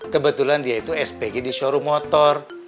kebetulan dia itu spg di showroom motor